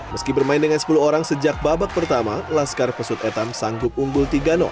meski bermain dengan sepuluh orang sejak babak pertama laskar pesut etam sanggup unggul tiga